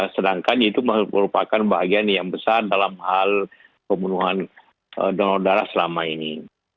sedangkan itu merupakan bagian yang besar dalam hal pembunuhan donor darah selama ini